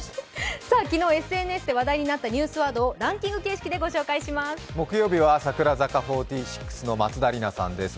昨日ＳＮＳで話題になったニュースワードをランキング形式でご紹介します。